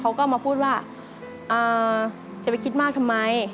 เขาก็มาพูดว่าจะไปคิดมากทำไม